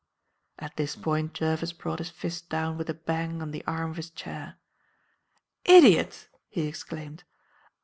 At this point Jervis brought his fist down with a bang on the arm of his chair. "Idiot!" he exclaimed.